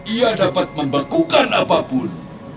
ia dapat membakukan apapun